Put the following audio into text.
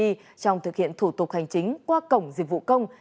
trong thực hiện thủ tục hành chính qua cổng dịch vụ công